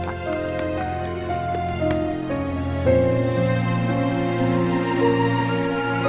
terpaksa dirawat orang lain